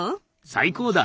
最高だ！